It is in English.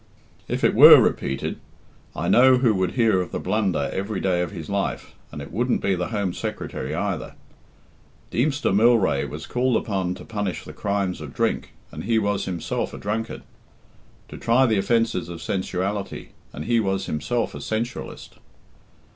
If it were repeated, I know who would hear of the blunder every day of his life, and it wouldn't be the Home Secretary either. Deemster Mylrea was called upon to punish the crimes of drink, and he was himself a drunkard; to try the offences of sensuality, and he was himself a sensualist."